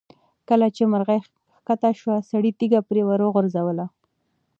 کله چې مرغۍ ښکته شوه، سړي تیږه پرې وغورځوله.